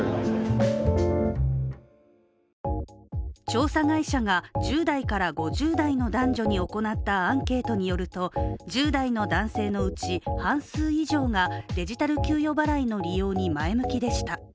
調査会社が１０代から５０代の男女に行ったアンケートによると１０代の男性のうち半数以上がデジタル給与払いの利用に前向きでした。